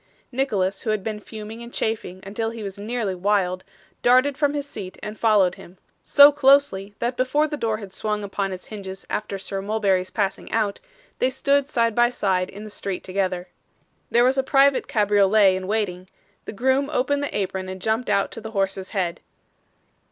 Nicholas, who had been fuming and chafing until he was nearly wild, darted from his seat, and followed him: so closely, that before the door had swung upon its hinges after Sir Mulberry's passing out, they stood side by side in the street together. There was a private cabriolet in waiting; the groom opened the apron, and jumped out to the horse's head.